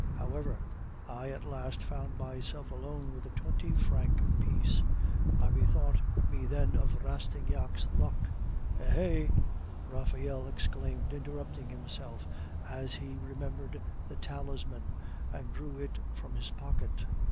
However, I at last found myself alone with a twenty franc piece; I bethought me then of Rastignac's luck "Eh, eh! " Raphael exclaimed, interrupting himself, as he remembered the talisman and drew it from his pocket.